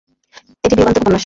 এটি বিয়োগান্তক উপন্যাস।